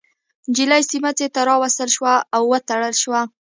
نجلۍ سمڅې ته راوستل شوه او تړل شوه.